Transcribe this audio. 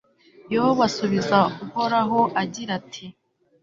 yobu asubiza uhoraho agira ati